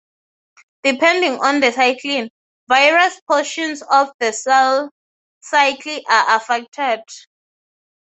Depending on the cyclin, various portions of the cell cycle are affected.